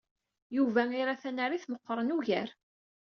Yuba ira tanarit meɣɣren ugar.